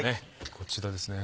こちらですね。